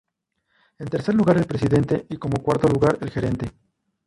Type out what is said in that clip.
En tercer lugar el Presidente y como cuarto lugar el Gerente.